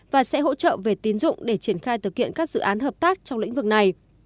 và sẽ hỗ trợ về tín dụng để triển khai thực hiện các dự án hợp tác trong lĩnh vực này